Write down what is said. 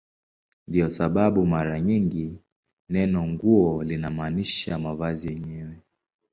Ndiyo sababu mara nyingi neno "nguo" linamaanisha mavazi yenyewe.